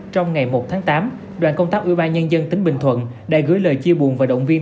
trong ngày một tháng tám đoàn công tác ủy ban nhân dân tỉnh bình thuận đã gửi lời chia buồn và động viên